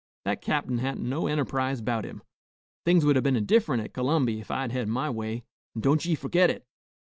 That cap'n hadn't no enterprise 'bout him. Things would 'a' been different at C'lumby, ef I'd had my way, an' don't ye forgit it!